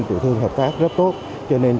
tiểu thương hợp tác rất tốt cho nên